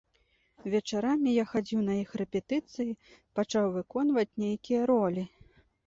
Вечарамі я хадзіў на іх рэпетыцыі, пачаў выконваць нейкія ролі.